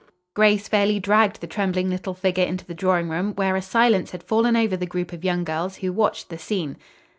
Grace fairly dragged the trembling little figure into the drawing room, where a silence had fallen over the group of young girls who watched the scene.